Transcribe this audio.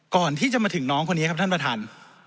ก่อนที่จะมาถึงน้องคนนี้ครับท่านประธาน